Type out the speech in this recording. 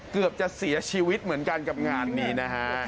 เกือบจะเสียชีวิตเหมือนกันกับงานนี้นะฮะ